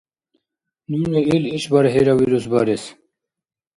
Нуни ил ишбархӀира вирус барес.